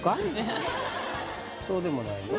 そうでもない？